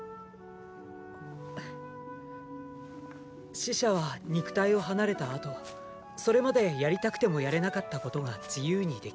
死者は肉体を離れた後それまでやりたくてもやれなかったことが自由にできる。